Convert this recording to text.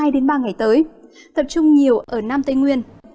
hai ba ngày tới tập trung nhiều ở nam tây nguyên